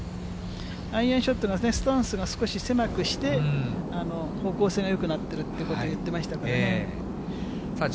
アイアンショットがね、スタンスをちょっと少し狭くして、方向性がよくなっているっていうことを言ってましたからね。